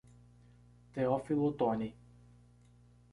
Teófilo Otoni